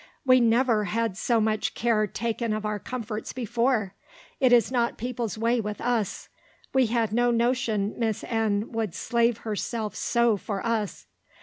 "We never had so much care taken of our comforts before; it is not people's way with us; we had no notion Miss N. would slave herself so for us."